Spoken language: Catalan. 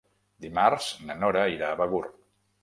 Dimarts na Nora irà a Begur.